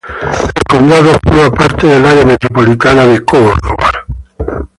El condado forma parte del área metropolitana de Kansas City.